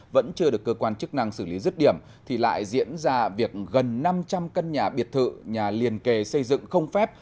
vẫn chưa được cơ quan chức năng xử lý rứt điểm thì lại diễn ra việc gần năm trăm linh căn nhà biệt thự nhà liền kề xây dựng không phép